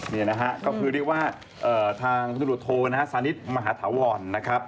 นี่นะครับก็คือเรียกว่าทางสมรวจโทรศาลิตมหาธวร